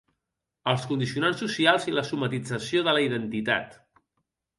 Els condicionants socials i la "somatització" de la identitat.